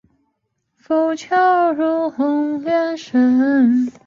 以荫叙出仕的直长等历任。